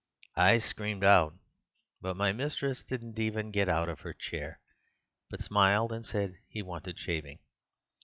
I screamed out, but my mistress didn't even get out of her chair, but smiled and said he wanted shaving.